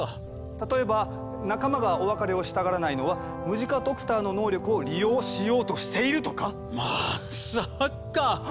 例えば仲間がお別れをしたがらないのはムジカドクターの能力を利用しようとしているとか⁉まさか。